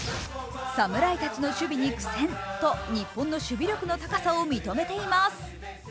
侍たちの守備に苦戦と日本の守備力の高さを認めています。